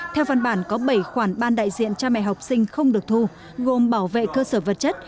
theo văn bản có bảy khoản ban đại diện cha mẹ học sinh không được thu gồm bảo vệ cơ sở vật chất